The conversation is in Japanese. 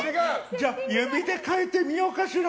じゃ、指で変えてみようかしら。